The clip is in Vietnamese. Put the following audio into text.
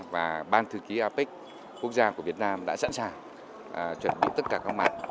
và ban thư ký apec quốc gia của việt nam đã sẵn sàng chuẩn bị tất cả các mặt